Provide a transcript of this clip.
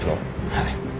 はい。